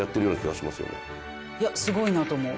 すごいなと思う。